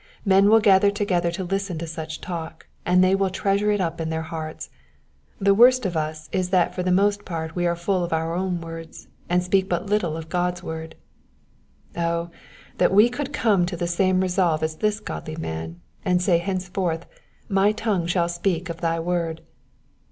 Men will gather together to listen to such talk, and they will treasure it up in their hearts. The worst of us is that for the most part we are full of our own words, and speak but little of God's word. Oh, that we could come to the same resolve as this godly man, and say hence forth, My tongue shall speak of thy word.